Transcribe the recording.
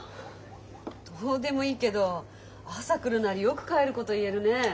どうでもいいけど朝来るなりよく帰ること言えるね。